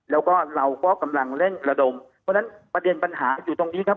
แล้วก็เราก็กำลังเร่งระดมเพราะฉะนั้นประเด็นปัญหาอยู่ตรงนี้ครับ